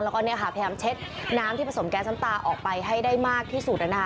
แล้วก็พยายามเช็ดน้ำที่ผสมแก๊สน้ำตาออกไปให้ได้มากที่สุด